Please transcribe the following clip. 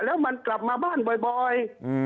แล้วมันกลับมาบ้านบ่อย